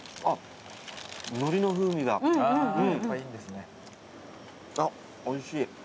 あっおいしい。